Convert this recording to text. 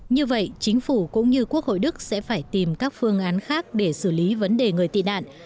như vậy chính phủ cũng như quốc hội đức sẽ phải tìm các phương án khác để xử lý vấn đề người tị nạn